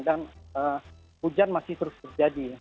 hujan masih terus terjadi